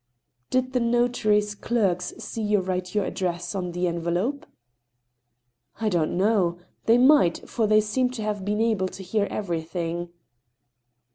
"Did the notary's clerks see you write your address on the envelope ?"" I don't know. They might, for they seem to have been able to hear everything."